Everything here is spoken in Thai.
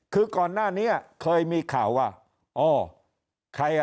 คือก่อนหน้านี้เคยมีข่าวว่าอ๋อใครอ่ะ